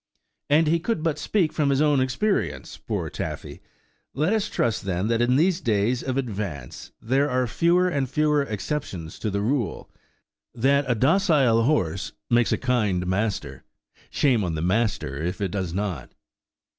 And he could but speak from his own experience, poor Taffy! Let us trust, then, that in these "days of advance," there are fewer and fewer exceptions to the rule, that a docile horse makes a kind master. Shame on the master if it does not!